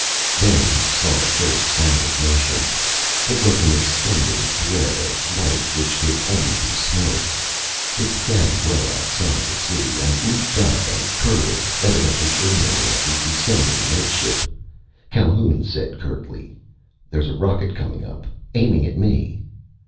Then he saw the first sign of motion. It was an extending thread of white which could only be smoke. It began well outside the city and leaped up and curved, evidently aiming at the descending Med Ship. Calhoun said curtly: "There's a rocket coming up. Aiming at me."